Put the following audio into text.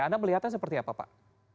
anda melihatnya seperti apa pak